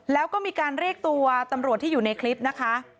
แล้วก็มีการเรียกตัวตำรวจที่อยู่ในคลิปนะคะ